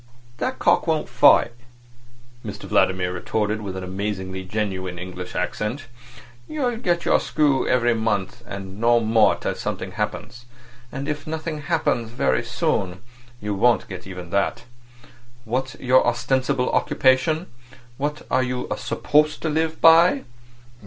"That cock won't fight," Mr Vladimir retorted, with an amazingly genuine English accent. "You'll get your screw every month, and no more till something happens. And if nothing happens very soon you won't get even that. What's your ostensible occupation? What are you supposed to live by?"